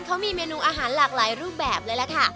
เขามีเมนูอาหารหลากหลายรูปแบบเลยล่ะค่ะ